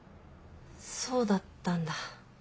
そうだったんだ。